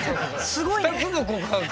「２つの告白」